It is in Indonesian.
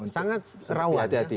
sangat rawan ya